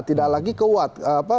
tidak lagi ke what